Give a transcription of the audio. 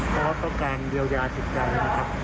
เพราะต้องการเรียวยาถิ่นกายนะครับ